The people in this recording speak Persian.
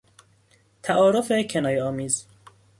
تعارف کنایه آمیز